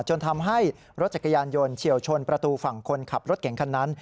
จนทำให้รถจักรยานยนต์เฉียวชนประตูฝั่งคนขับรถเก่งคันนั้น